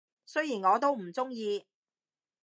雖然我都唔鍾意